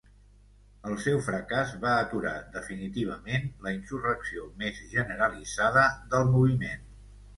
El seu fracàs va aturar definitivament la insurrecció més generalitzada del moviment.